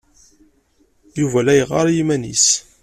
Yuba la yeɣɣar i yemma-s.